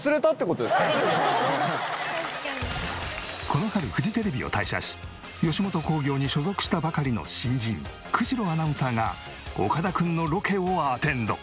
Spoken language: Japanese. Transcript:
この春フジテレビを退社し吉本興業に所属したばかりの新人久代アナウンサーが岡田君のロケをアテンド。